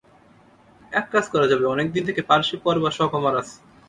এক কাজ করা যাবে, অনেক দিন থেকে পারসি পড়বার শখ আমার আছে।